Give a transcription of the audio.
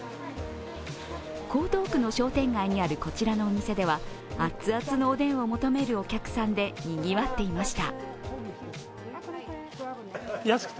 江東区の商店街にあるこちらのお店では熱々のおでんを求めるお客さんでにぎわっていました。